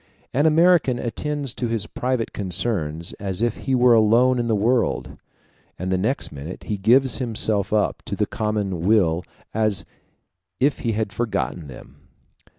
An American attends to his private concerns as if he were alone in the world, and the next minute he gives himself up to the common weal as if he had forgotten them.